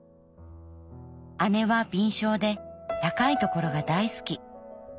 アネは敏捷で高いところが大好き。